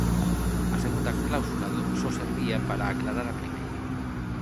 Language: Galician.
A segunda cláusula só servía para aclarar a primeira.